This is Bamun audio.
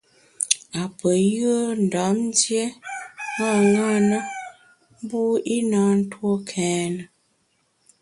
Apeyùe Ndam ndié ṅaṅâ na, mbu i na ntue kèn.